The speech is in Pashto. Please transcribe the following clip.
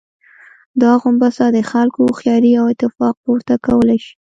دا غومبسه د خلکو هوښياري او اتفاق، پورته کولای شي.